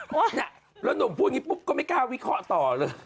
แล้วหนุ่มพูดอย่างนี้ปุ๊บก็ไม่กล้าวิเคราะห์ต่อเลย